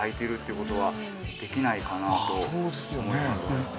そうですよね。